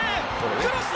クロスだ。